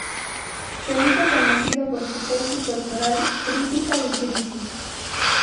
Se hizo conocido por su tesis doctoral "Crítica y crisis.